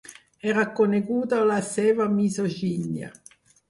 Era coneguda la seva misogínia.